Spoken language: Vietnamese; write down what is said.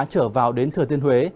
trở vào đến thừa tiên huế